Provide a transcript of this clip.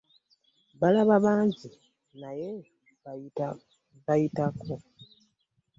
Mbalaba bangi naye mbayitako.